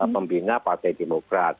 pembina partai demokrat